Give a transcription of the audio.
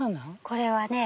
これはね